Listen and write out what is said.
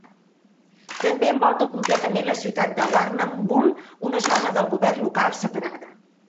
També envolta completament la ciutat de Warrnambool, una zona del govern local separada.